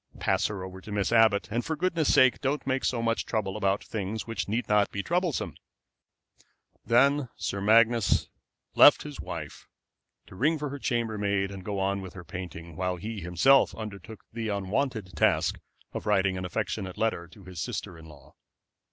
"Pass her over to Miss Abbott. And for goodness' sake don't make so much trouble about things which need not be troublesome." Then Sir Magnus left his wife to ring for her chambermaid and go on with her painting, while he himself undertook the unwonted task of writing an affectionate letter to his sister in law.